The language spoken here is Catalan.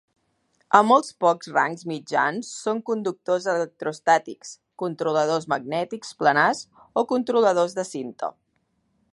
A molt pocs rangs mitjans són conductors electrostàtics, controladors magnètics planars, o controladors de cinta.